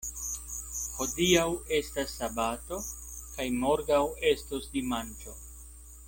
Hodiaŭ estas sabato, kaj morgaŭ estos dimanĉo.